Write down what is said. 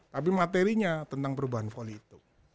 tapi materinya tentang perubahan voli itu